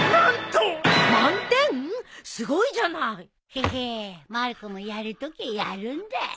ヘヘまる子もやるときはやるんだよ。